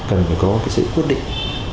cần phải có sự quyết định